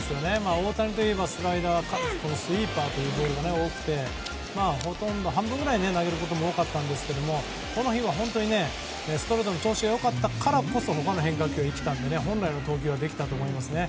大谷といえばスライダースイーパーというボールが多くて半分くらい投げることも多かったんですがこの日はストレートの調子が良かったからこそこの変化球できたので本来の投球ができたと思います。